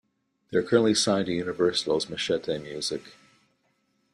They are currently signed to Universal's Machete Music.